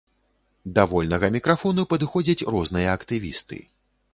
Да вольнага мікрафону падыходзяць розныя актывісты.